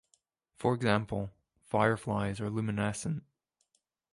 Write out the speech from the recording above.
For example, fireflies are luminescent.